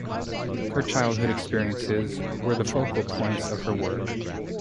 Her childhood experiences were the focal points of her work.